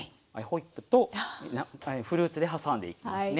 ホイップとフルーツで挟んでいきます。